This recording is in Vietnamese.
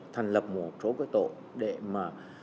thành lập một số cái tổ để mà